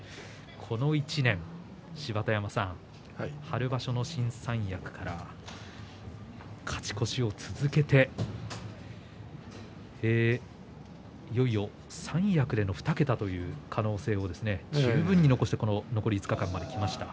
この１年、春場所の新三役から勝ち越しを続けていよいよ三役での２桁という可能性も十分残してこの残り５日間まできました。